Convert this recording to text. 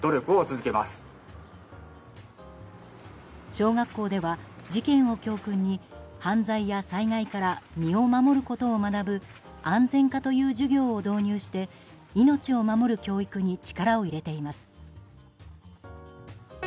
小学校では、事件を教訓に犯罪や災害から身を守ることを学ぶ安全科という授業を導入して命を守る教育に力を入れています。